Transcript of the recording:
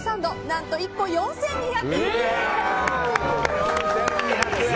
何と、１個４２００円です。